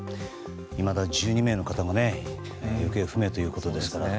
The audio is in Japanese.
いまだ１２名の方も行方不明ということですから。